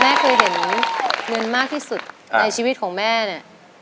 แม่เคยเห็นเงินมากที่สุดในชีวิตของแม่เนี่ย